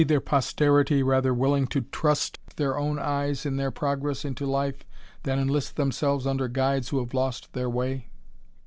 their posterity rather willing to trust their own eyes in their progress into life, than enlist themselves under guides who have lost their way?